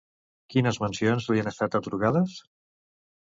Quines mencions li han estat atorgades?